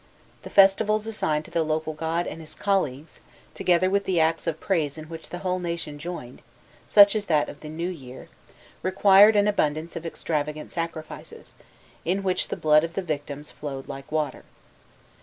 The festivals assigned to the local god and his colleagues, together with the acts of praise in which the whole nation joined, such as that of the New Year, required an abundance of extravagant sacrifices, in which the blood of the victims flowed like water.